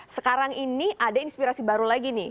sekarang ini ada inspirasi baru lagi nih